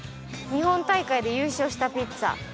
「日本大会で優勝したピッツァ」。